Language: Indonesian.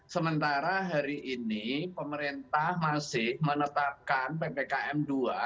sementara hari ini pemerintah masih menetapkan ppkm dua